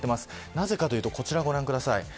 なぜかというとこちらをご覧ください。